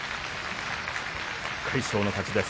魁勝の勝ちです。